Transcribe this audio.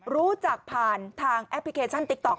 รู้จักผ่านทางแอปพลิเคชันติ๊กต๊อ